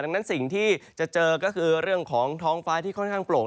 ดังนั้นสิ่งที่จะเจอก็คือเรื่องของท้องฟ้าที่ค่อนข้างโปร่ง